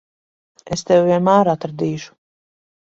Es tevi vienmēr atradīšu.